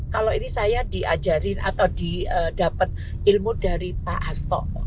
kalau ini saya diajarin atau didapat ilmu dari pak hasto